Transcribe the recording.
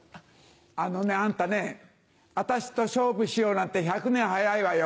あのねあんたね私と勝負しようなんて１００年早いわよ。